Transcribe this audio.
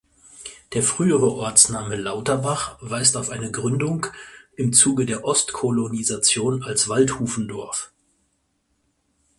Der frühere Ortsname Lauterbach weist auf eine Gründung im Zuge der Ostkolonisation als Waldhufendorf.